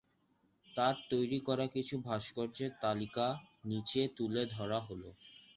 তার তৈরি করা কিছু ভাস্কর্যের তালিকা নিচে তুলে ধরা হলো।